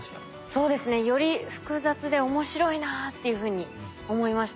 そうですねより複雑で面白いなあっていうふうに思いました。